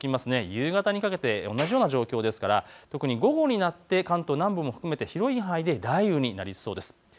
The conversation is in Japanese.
夕方にかけて同じような状況ですから特に午後になって関東南部も含めて広い範囲で雷雨になりそうです。